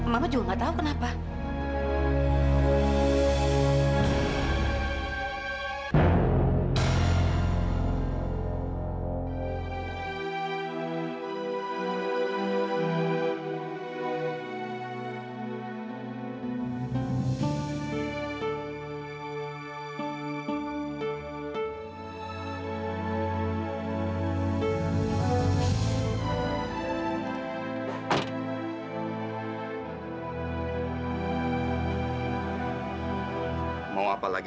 mama juga nggak tahu kenapa